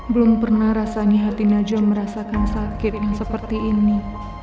belum pernah rasanya hati najwa merasakan sakit yang seperti ini